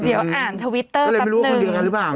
เดี๋ยวอ่านทวิตเตอร์แป๊บนึง